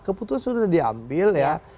keputusan sudah diambil